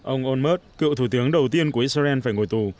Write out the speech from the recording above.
ông onmerd cựu thủ tướng đầu tiên của israel phải ngồi tù